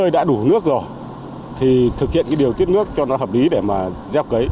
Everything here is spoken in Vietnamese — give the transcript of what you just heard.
điều tiết nước cho nó hợp lý để gieo cấy